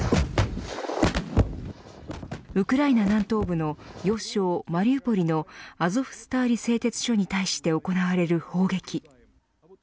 ウクライナ南東部の要衝マリウポリのアゾフスターリ製鉄所に対して行われる砲撃。